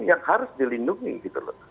yang harus dilindungi gitu loh